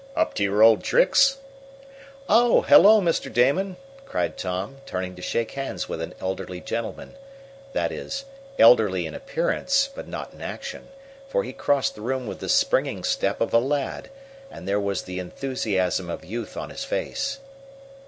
"Up to your old tricks!" "Oh, hello, Mr. Damon!" cried Tom, turning to shake hands with an elderly gentleman that is, elderly in appearance but not in action, for he crossed the room with the springing step of a lad, and there was the enthusiasm of youth on his face.